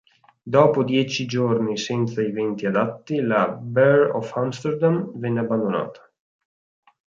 Dopo dieci giorni senza i venti adatti, la "Bear of Amsterdam" venne abbandonata.